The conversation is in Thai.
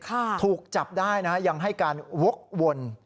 ถูกจับได้นะฮะยังให้การวกวน